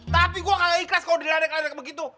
tapi gue nggak ikhlas kalau diledek ledek begitu